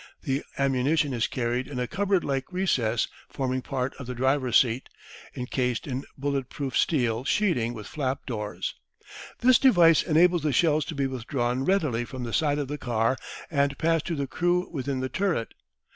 The ammunition is carried in a cupboard like recess forming part of the driver's seat, encased in bullet proof steel sheeting with flap doors. This device enables the shells to be withdrawn readily from the side of the car and passed to the crew within the turret.